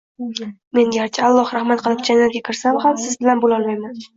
Men, garchi Alloh rahmat qilib jannatga kirsam ham, siz bilan bo‘lolmayman